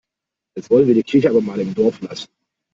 Jetzt wollen wir die Kirche aber mal im Dorf lassen.